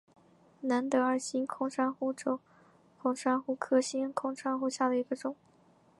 蓝德尔星孔珊瑚为轴孔珊瑚科星孔珊瑚下的一个种。